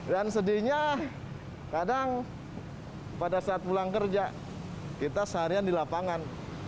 dan sedihnya kadang pada saat pulang kerja kita seharian di lapangan